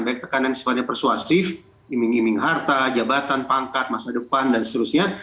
baik tekanan sifatnya persuasif iming iming harta jabatan pangkat masa depan dan seterusnya